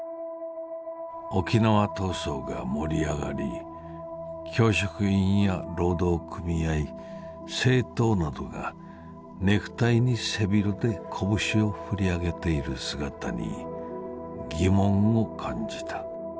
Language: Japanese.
沖縄闘争が盛りあがり教職員や労働組合政党などがネクタイに背広でコブシをふりあげている姿にぎもんを感じた」。